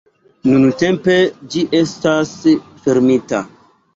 Nuntempe, ĝi estas fermita".